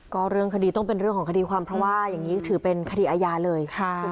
ก็เรื่องคดีต้องเป็นเรื่องของคดีความเพราะว่าอย่างนี้ถือเป็นคดีอาญาเลย